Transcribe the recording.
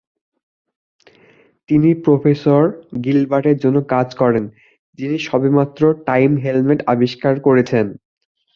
তিনি প্রফেসর গিলবার্টের জন্য কাজ করেন, যিনি সবেমাত্র টাইম হেলমেট আবিষ্কার করেছেন।